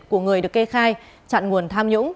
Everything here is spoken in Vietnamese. của người được kê khai chặn nguồn tham nhũng